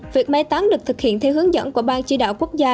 việc may tán được thực hiện theo hướng dẫn của ban chỉ đạo quốc gia